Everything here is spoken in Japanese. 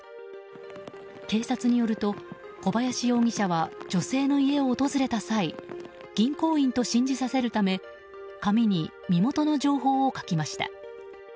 警察によると、小林容疑者は女性の家を訪れた際銀行員と信じさせるため紙に身元の情報を書きました。